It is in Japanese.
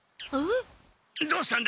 どうしたんだ？